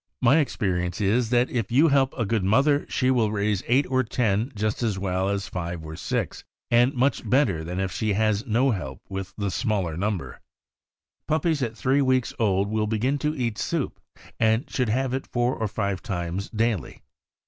My experience is that if you help a good mother she will raise eight or ten just as well as five or six, and much better than if she has no help with the smaller number. Puppies at three weeks old will begin to eat soup, and should have it four or five times daily.